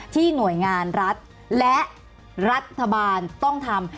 หน่วยงานรัฐและรัฐบาลต้องทำ